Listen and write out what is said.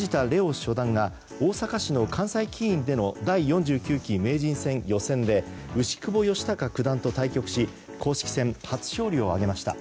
初段が大阪市の関西棋院での第４９期名人戦予選で牛窪義高九段と対局し公式戦初勝利を挙げました。